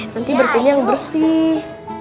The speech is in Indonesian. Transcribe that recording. nanti bersihin yang bersih